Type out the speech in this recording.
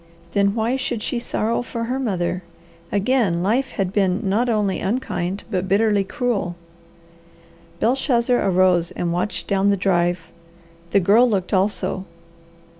Then why should she sorrow for her mother? Again life had been not only unkind, but bitterly cruel. Belshazzar arose and watched down the drive. The Girl looked also.